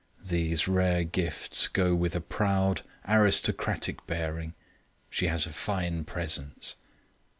These rare gifts go with a proud aristocratic bearing; she has a fine presence.